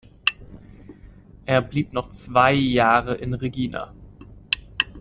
Er blieb noch zwei Jahre in Regina.